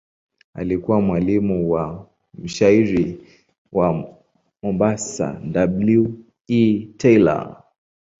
Alikuwa mwalimu wa mshairi wa Mombasa W. E. Taylor.